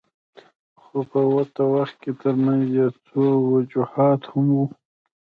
خو په ورته وخت کې ترمنځ یې څو وجوهات هم وو.